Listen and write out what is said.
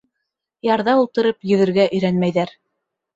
Ярҙа ултырып йөҙөргә өйрәнмәйҙәр.